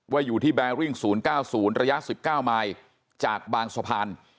ว่าอยู่ที่แบริ่ง๐๙๐ระยะ๑๙มายจากบางสะพาน